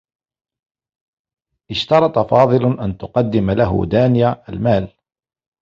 اشترط فاضل أن تقدّم له دانية المال.